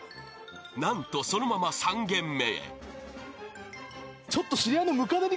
［何とそのまま３軒目へ］